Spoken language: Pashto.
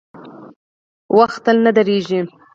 • وخت تل نه درېږي.